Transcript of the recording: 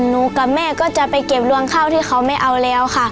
กับแม่ก็จะไปเก็บดวงข้าวที่เขาไม่เอาแล้วค่ะ